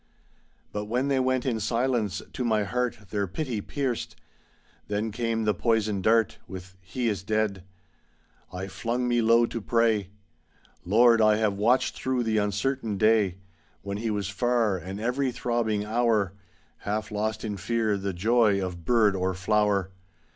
But when they went in silence, to my heart Their pity pierced. Then came the poisoned dart, With "He is dead." I flung me low to pray. ^Tiord, I have watched through the uncertain day When he was far, and ev'ry throbbing hour. Half lost in fear the joy of bird or flower.